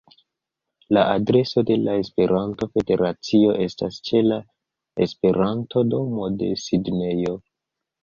La adreso de la Esperanto-Federacio estas ĉe la Esperanto-domo de Sidnejo.